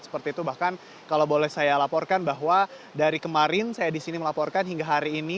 seperti itu bahkan kalau boleh saya laporkan bahwa dari kemarin saya disini melaporkan hingga hari ini